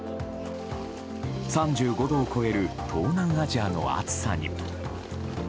３５度を超える東南アジアの暑さに。